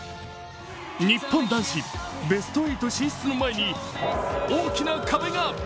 日本男子、ベスト８進出の前に大きな壁が。